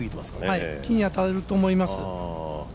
木に当たると思います。